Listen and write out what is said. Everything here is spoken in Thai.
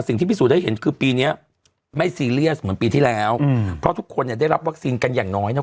พิสูจนได้เห็นคือปีเนี้ยไม่ซีเรียสเหมือนปีที่แล้วอืมเพราะทุกคนเนี่ยได้รับวัคซีนกันอย่างน้อยนะ